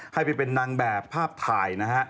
ให้เป็นนางแบบภาพถ่าย